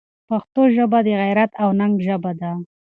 پښتو ژبه د غیرت او ننګ ژبه ده.